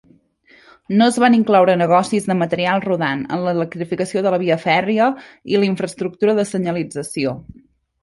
No es van incloure negocis de material rodant en la electrificació de la via fèrria i la infrastructura de senyalització.